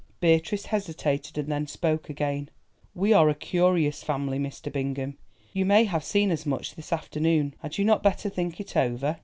Beatrice hesitated, and then spoke again. "We are a curious family, Mr. Bingham; you may have seen as much this afternoon. Had you not better think it over?"